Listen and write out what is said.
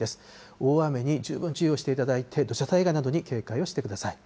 大雨に十分注意をしていただいて、土砂災害などに警戒をしてください。